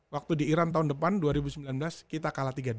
waktu di iran tahun depan dua ribu sembilan belas kita kalah tiga dua